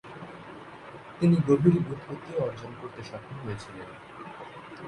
তিনি গভীর বুপত্তিও অর্জন করতে সক্ষম হয়েছিলেন।